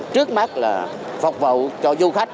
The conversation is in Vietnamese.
trước mắt là phục vụ cho du khách